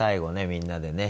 みんなでね